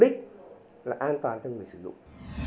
mục đích là an toàn cho người sử dụng